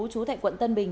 chú thạch quận tân bình